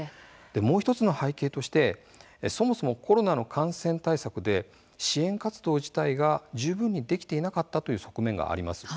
もう１つの背景としてそもそもコロナの感染対策で支援活動自体が十分にできていなかったという側面があります。